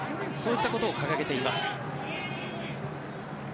そういったことを掲げています。